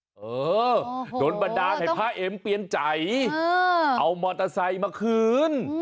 เออโดนบันดาลให้พระเอ็มเปลี่ยนใจเอามอเตอร์ไซค์มาคืน